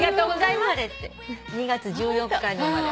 ２月１４日生まれ。